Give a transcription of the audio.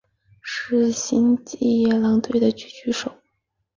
是星际野狼队的狙击手。